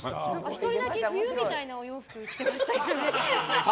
１人だけ冬みたいなお洋服着てましたよね。